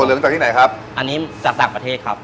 ขั้นตอนที่สุดตั้งจากต่างประเทศครับ